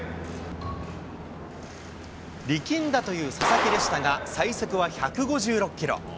力んだという佐々木でしたが、最速は１５６キロ。